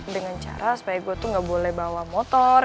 dengan cara supaya gue tuh gak boleh bawa motor